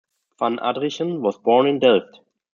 Van Adrichem was born in Delft.